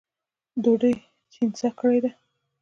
ډوډۍ چڼېسه کړې ده